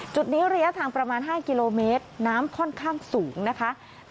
จุดนี้ระยะทางประมาณ๕กิโลเมตรน้ำค่อนข้างสูงนะคะ